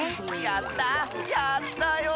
やったよ！